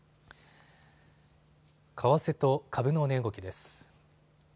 為替と株の値動きです。